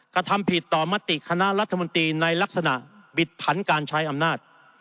กระทำผิดต่อมติคณะรัฐมนตรีในลักษณะบิดผันการใช้อำนาจ